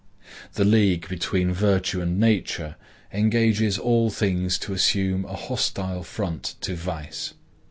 The league between virtue and nature engages all things to assume a hostile front to vice.